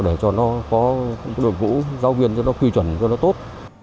để cho nó có đội vũ giáo viên cho nó quy truẩn cho nó tốt